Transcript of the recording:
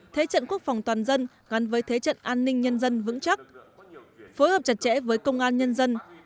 thế trận quốc phòng toàn dân gắn với thế trận an ninh nhân dân vững chắc phối hợp chặt chẽ với công an nhân dân